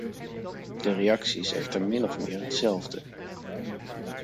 De reactie is echter min of meer hetzelfde.